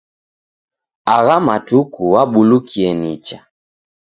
Agha matuku wabulukie nicha.